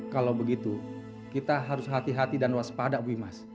kalau begitu kita harus hati hati dan waspada bu imas